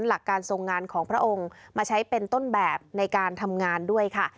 หลักการทรงงานของพระองค์มาใช้เป็นต้นแบบในการทำงานด้วยค่ะ